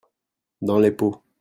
Dans les pots.